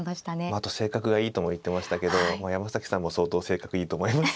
あと性格がいいとも言ってましたけど山崎さんも相当性格いいと思います。